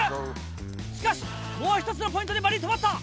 しかしもう１つのポイントでバディ止まった！